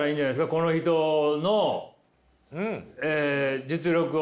この人の実力を。